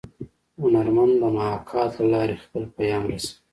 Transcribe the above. هنرمن د محاکات له لارې خپل پیام رسوي